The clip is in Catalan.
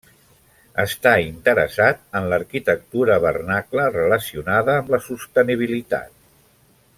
Està interessat en l'arquitectura vernacla relacionada amb la sostenibilitat.